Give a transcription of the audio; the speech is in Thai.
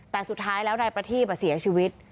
แต่สุดท้ายแล้วนายประทีบเสียชีวิต